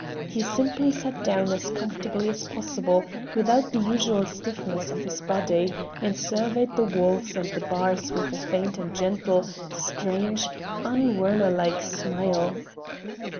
He simply sat down as comfortably as possible, without the usual stiffness of his body, and surveyed the walls and the bars with a faint and gentle, strange, un Werner like smile.